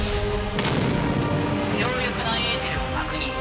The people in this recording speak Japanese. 強力なエーテルを確認。